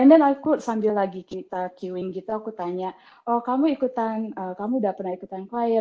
and then aku sambil lagi kita qing gitu aku tanya oh kamu ikutan kamu udah pernah ikutan klien